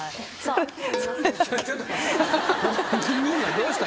どうした？